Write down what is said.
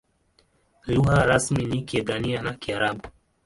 Lugha rasmi ni Kiebrania na Kiarabu.